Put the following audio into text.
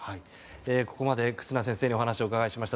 ここまで忽那先生にお話をお伺いしました。